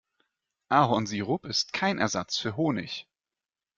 Ahornsirup ist kein Ersatz für Honig.